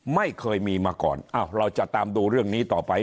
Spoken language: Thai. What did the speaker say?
ไม่เคยมีมาก่อนเราจะตามดูเรื่องนี้ต่อไป